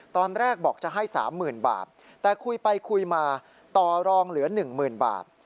ตอนแรกบอกจะให้๓๐๐๐บาทแต่คุยไปคุยมาต่อรองเหลือ๑๐๐๐บาท